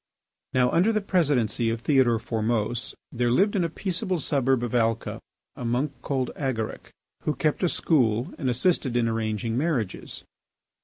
Now, under the Presidency of Theodore Formose, there lived in a peaceable suburb of Alca a monk called Agaric, who kept a school and assisted in arranging marriages.